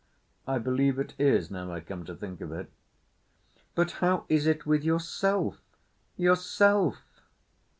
"I believe it is—now I come to think of it." "But how is it with yourself—yourself?"